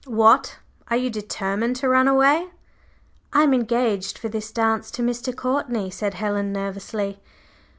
What! Are you determined to run away?" "I am engaged for this dance to Mr. Courtney," said Helen, nervously.